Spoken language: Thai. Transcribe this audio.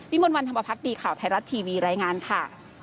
วิมวลวันธรรมภัคดีข่าวไทยรัตน์ทีวีรายงานค่ะ